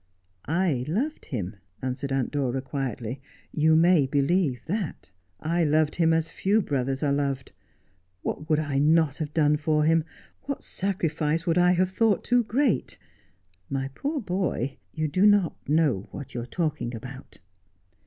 1 1 loved him,' answered Aunt Dora quietly. ' You may believe that. I loved him as few brothers are loved. What would I not have done for him 1 What sacrifice would I have thought too great ) My poor boy, you do not know what you are talking about.'